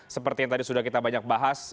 seperti yang tadi sudah kita banyak bahas